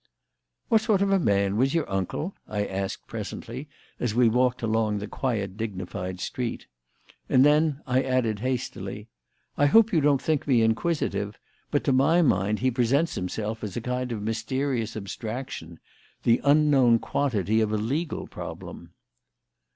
"What sort of man was your uncle?" I asked presently, as we walked along the quiet, dignified street. And then I added hastily: "I hope you don't think me inquisitive, but, to my mind, he presents himself as a kind of mysterious abstraction; the unknown quantity of a legal problem."